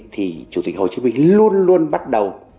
thì chủ tịch hồ chí minh luôn luôn bắt đầu